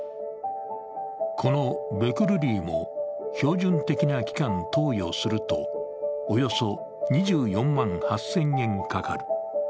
このベクルリーも標準的な期間投与すると、およそ２４万８０００円かかる。